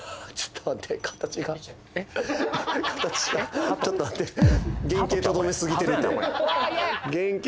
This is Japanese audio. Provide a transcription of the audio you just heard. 形がちょっと待って原型とどめすぎてるって原型